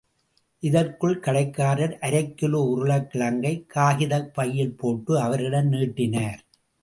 இதற்குள், கடைக்காரர் அரைக்கிலோ உருளைக்கிழங்கை காகிதப் பையில் போட்டு அவரிடம் நீட்டினார்.